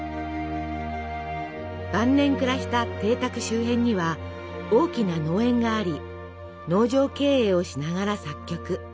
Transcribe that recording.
晩年暮らした邸宅周辺には大きな農園があり農場経営をしながら作曲。